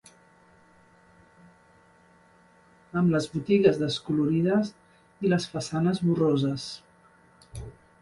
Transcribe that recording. Amb les botigues descolorides i les façanes borroses